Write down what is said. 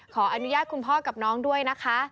ขออนุญาตคุณพ่อกับน้องด้วยนะคะ